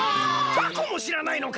タコもしらないのか！